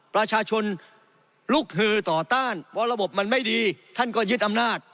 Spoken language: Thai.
ประชาชนลุกฮือต่อต้านเพราะระบบมันไม่ดีท่านก็ยึดอำนาจ